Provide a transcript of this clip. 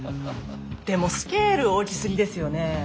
でもスケール大きすぎですよね。